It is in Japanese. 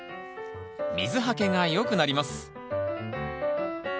水はけがよくなります。